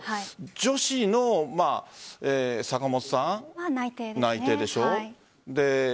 女子の坂本さん内定でしょ。